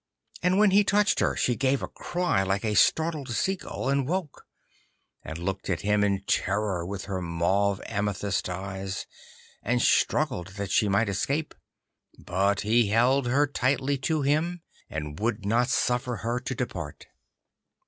And when he touched her, she gave a cry like a startled sea gull, and woke, and looked at him in terror with her mauve amethyst eyes, and struggled that she might escape. But he held her tightly to him, and would not suffer her to depart.